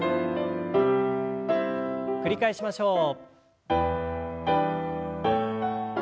繰り返しましょう。